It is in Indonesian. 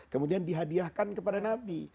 kemudian dihadiahkan kepada nabi